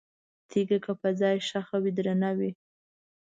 تیګه که په ځای ښخه وي، درنه وي؛